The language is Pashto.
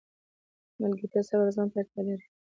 ملګرتیا صبر او زغم ته اړتیا لري.